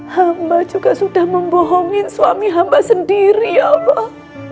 hamba juga sudah membohongin suami hamba sendiri ya allah